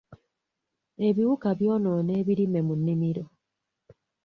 Ebiwuka byonoona ebirime mu nnimiro.